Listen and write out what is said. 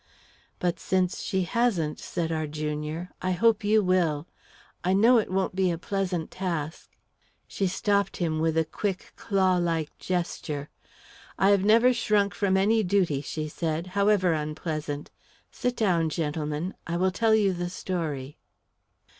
"But since she hasn't," said our junior, "I hope you will. I know it won't be a pleasant task " She stopped him with a quick, claw like gesture. "I have never shrunk from any duty," she said, "however unpleasant. Sit down, gentlemen. I will tell you the story."